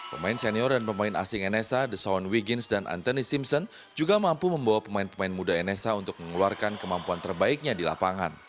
pemain senior dan pemain asing nsa the sound wigins dan anthony simpson juga mampu membawa pemain pemain muda nsa untuk mengeluarkan kemampuan terbaiknya di lapangan